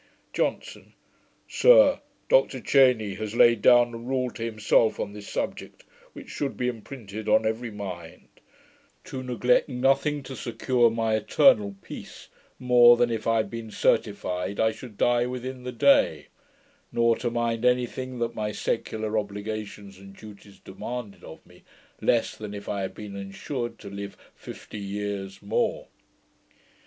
JOHNSON. 'Sir, Dr Cheyne has laid down a rule to himself on this subject, which should be imprinted on every mind: "To neglect nothing to secure my eternal peace, more than if I had been certified I should die within the day: nor to mind any thing that my secular obligations and duties demanded of me, less than if I had been ensured to live fifty years more."